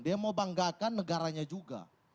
dia mau banggakan negaranya juga